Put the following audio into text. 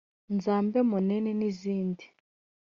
“Nzambe Monene” n’izindi